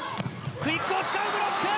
クイックを使ったブロック！